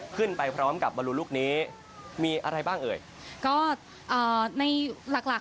ขึ้นไปพร้อมกับบอลลูลูกนี้มีอะไรบ้างเอ่ยก็เอ่อในหลักหลัก